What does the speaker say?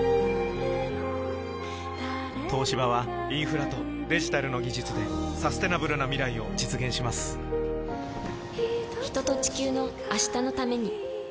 東芝はインフラとデジタルの技術でサステナブルな未来を実現します人と、地球の、明日のために。